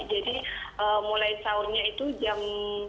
jadi mulai sholatnya itu jam tiga dua puluh